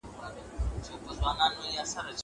زه چپنه پاک کړې ده!